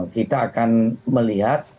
kita akan melihat